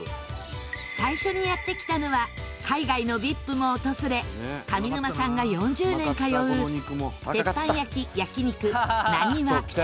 最初にやって来たのは海外のＶＩＰも訪れ上沼さんが４０年通う鉄板焼・焼肉なにわ。